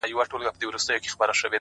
لاس يې د ټولو کايناتو آزاد ـ مړ دي سم ـ